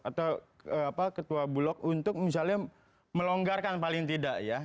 atau ketua bulog untuk misalnya melonggarkan paling tidak ya